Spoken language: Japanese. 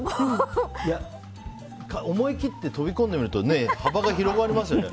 思い切って飛び込んでみると幅が広がりますよね。